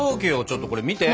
ちょっとこれ見て！